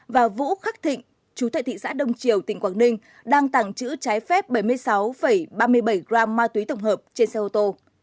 và vũ khắc thịnh chú tại thị xã đông triều tỉnh quảng ninh đang tặng chữ trái phép bảy mươi sáu ba mươi bảy g ma túy tổng hợp trên xe ô tô